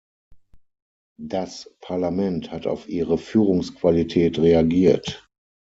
Das Parlament hat auf Ihre Führungsqualität reagiert.